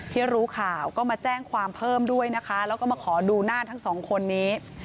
ที่รู้ข่าวก็มาแจ้งความเพิ่มด้วยนะคะแล้วก็มาขอดูหน้าทั้งสองคนนี้